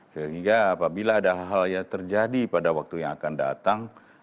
sehingga apabila ada hal yang terjadi pada waktu yang akan datang